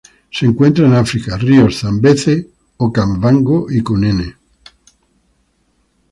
Se encuentran en África: ríos Zambeze, Okavango y Cunene.